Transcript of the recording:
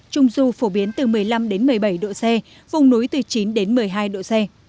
trung du phổ biến từ một mươi năm một mươi bảy độ c vùng núi từ chín đến một mươi hai độ c